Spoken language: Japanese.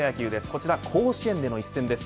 こちら甲子園での一戦です。